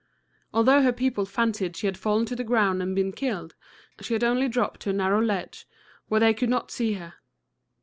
Although her people fancied she had fallen to the ground and been killed, she had only dropped to a narrow ledge, where they could not see her.